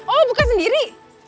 oh buka sendiri